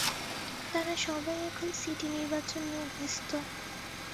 তারা সবাই এখন সিটি নির্বাচন নিয়ে ব্যস্ত।